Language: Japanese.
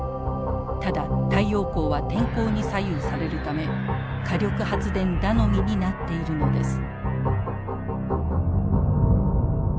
ただ太陽光は天候に左右されるため火力発電頼みになっているのです。